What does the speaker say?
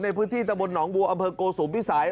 ในพื้นที่ตะบนหนองบัวอำเภอโกสุมพิสัย